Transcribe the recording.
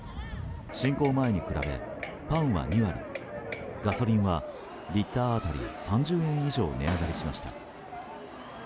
侵攻前に比べ、パンは２割ガソリンはリッター当たり３０円以上、値上がりしました。